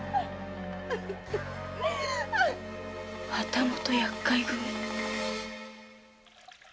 旗本厄介組。